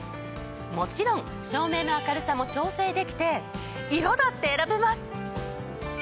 もちろん照明の明るさも調整できて色だって選べます！